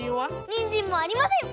にんじんもありません！